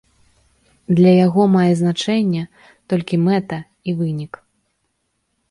Для яго мае значэнне толькі мэта і вынік.